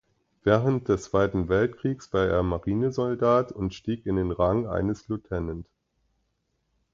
Während des Zweiten Weltkriegs war er Marinesoldat und stieg in den Rang eines Lt.